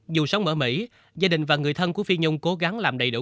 dù sống ở mỹ gia đình và người thân của phi nhung cố gắng làm đầy đủ